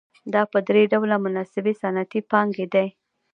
دا په درې ډوله مناسبې صنعتي پانګې دي